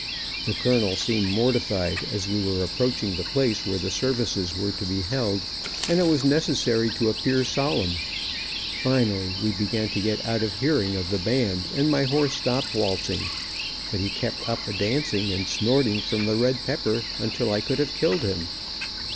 The colonel seemed mortified, as we were approaching the place where the services were to be held, and it was necessary to appear solemn. Finally we began to get out of hearing of the band, and my horse stopped waltzing, but he kept up a dancing, and snorting from the red pepper, until I could have killed him.